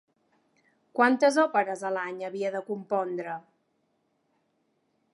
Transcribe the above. Quantes òperes a l'any havia de compondre?